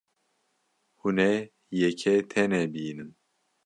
Hûn ê yekê tenê bînin.